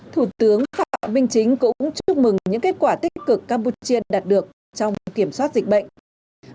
thủ tướng phạm minh chính cũng chúc mừng những kết quả tích cực campuchia đạt được trong kiểm soát dịch bệnh